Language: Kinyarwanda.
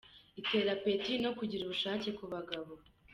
Itera apeti no kugira ubushake ku bagabo.